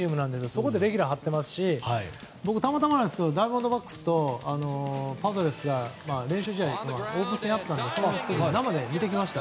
そこでレギュラーを張っていますし僕、たまたまですけどダイヤモンドバックスとパドレスの練習試合、オープン戦を生で見てきました。